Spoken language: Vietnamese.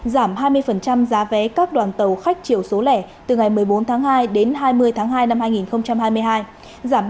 giảm hai mươi giá vé các đoàn tàu khách chiều số lẻ từ ngày một mươi bốn tháng hai đến hai mươi tháng hai năm hai nghìn hai mươi hai